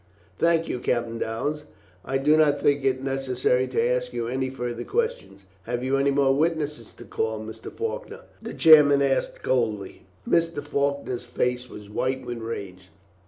"Thank you, Captain Downes. I do not think it necessary to ask you any further questions." "Have you any more witnesses to call, Mr. Faulkner?" the chairman asked coldly. Mr. Faulkner's face was white with rage.